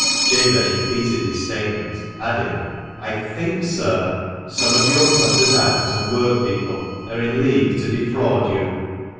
Jabez repeated his statement, adding, " I think, sir, some of your putters out and workpeople are in league to defraud you."